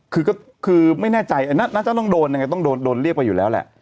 คือก็คือไม่แน่ใจน่าจะต้องโดนยังไงต้องโดนเรียกไปอยู่แล้วแหละ